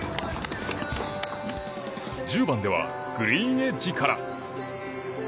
１０番ではグリーンエッジから。